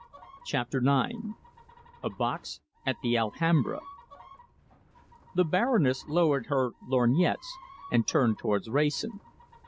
CHAPTER IX A BOX AT THE ALHAMBRA The Baroness lowered her lorgnettes and turned towards Wrayson.